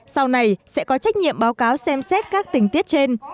sau này sẽ có trách nhiệm báo cáo xem xét các tình tiết trên